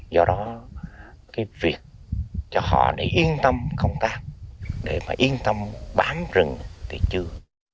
do đó cái việc cho họ để yên tâm công tác để mà yên tâm bám rừng thì chưa